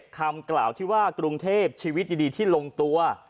คำกล่าวที่ว่ากรุงเทพชีวิตดีที่ลงตัว